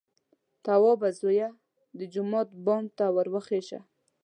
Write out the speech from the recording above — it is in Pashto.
_توابه زويه! د جومات بام ته ور وخېژه!